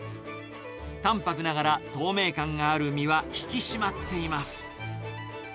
たんぱくながら、透明感がある身は引き締まっています。